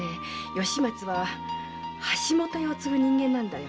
吉松は橋本屋を継ぐ人間なんだ。